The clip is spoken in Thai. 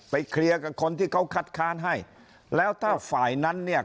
เคลียร์กับคนที่เขาคัดค้านให้แล้วถ้าฝ่ายนั้นเนี่ย